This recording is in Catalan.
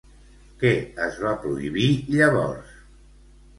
Què es va prohibir llavors?